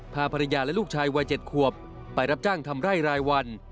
พาภรรยาและลูกชายวัย๗ขวบไปรับจ้างทำไร่รายวัน